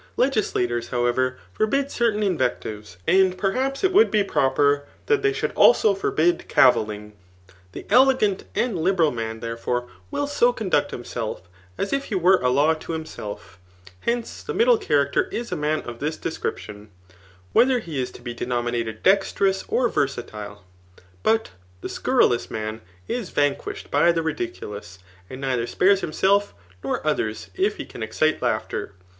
Legislators, however, forbid certain in vectives } and perhaps it would be proper that they should also forbid cavilling. The elegant and i^iberal mai^ therefore, will so conduct hhfisel^ as if he were a law Digitized by Google 148 tHE Y^ICOmAcHEAK fiOOK IVw to hhrrseif. Hence, the middle character is a man df tlib description, whether he is to be denominated dexterous '' or versatile. But the scurrilous man is vanquished by €be ridiculous, and neither spares himself, nor others, if he 'can exdte laughter.